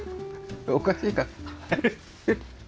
おかしいか。